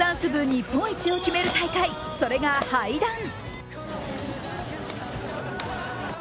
日本一を決める大会、それがハイダン。